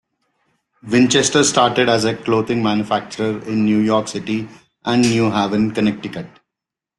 Winchester started as a clothing manufacturer in New York City and New Haven, Connecticut.